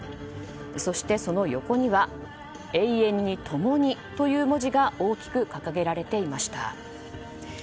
そして、その横には「永遠にともに！」という文字が大きく掲げられていました。